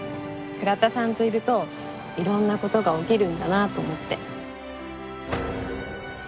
倉田さんといるといろんな事が起きるんだなあと思って。